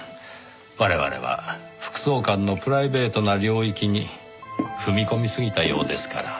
我々は副総監のプライベートな領域に踏み込みすぎたようですから。